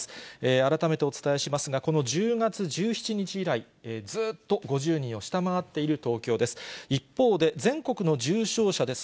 改めてお伝えしますが、１０月１７日以来、ずっと５０人を下回っている東京です。